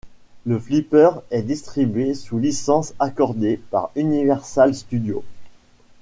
Le flipper est distribué sous licence accordée par Universal Studios.